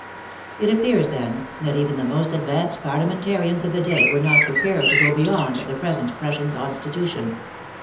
It appears, then, that even the most advanced parliamentarians of the day were not prepared to go beyond the present Prussian Constitution.